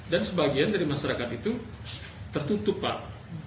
dan sebagian dari masyarakat itu tertutup pak